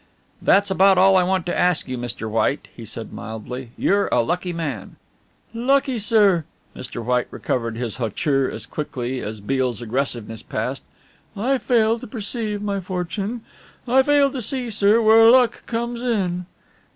"That's about all I want to ask you, Mr. White," he said mildly; "you're a lucky man." "Lucky, sir!" Mr. White recovered his hauteur as quickly as Beale's aggressiveness passed. "I fail to perceive my fortune. I fail to see, sir, where luck comes in."